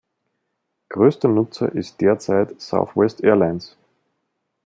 Größter Nutzer ist derzeit Southwest Airlines.